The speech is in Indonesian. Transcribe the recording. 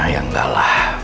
ya enggak lah